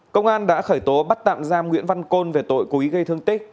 công an đã khởi tố bắt tạm giam nguyễn văn côn về tội cố ý gây thương tích